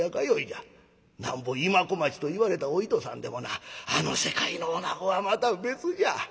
なんぼ今小町といわれたお糸さんでもなあの世界の女子はまた別じゃ。